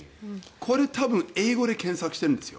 これ、英語で検索してるんですよ。